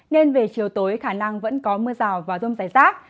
nên về chiều tối khả năng vẫn có mưa rào và rông dài rác